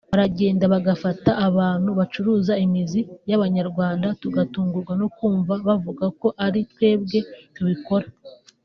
Baragenda bagafata abantu bacuruza imizi y’abanyarwanda tugatungurwa no kumva bavuga ko ari twebwe tubikora”